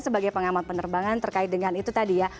sebagai pengamat penerbangan terkait dengan itu tadi ya